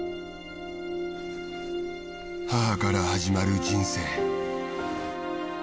母から始まる人生。